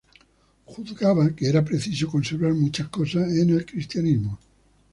Juzgaba que era preciso conservar muchas cosas en el cristianismo.